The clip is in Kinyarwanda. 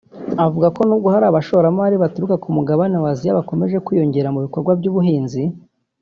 avuga ko nubwo hari abashoramari baturuka ku mugabane w’Aziya bakomeje kwiyongera mu bikorwa by’ubuhinzi